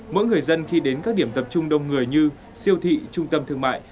mỗi người dân khi đến các điểm tập trung đông người như siêu thị trung tâm thương mại